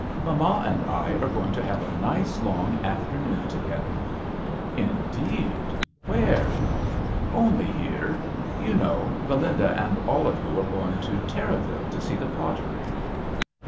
Mamma and I are going to have a nice long after noon together." " Indeed ! Where ?" "Only here. You know Be linda and all of you are going to Terraville to see the pottery."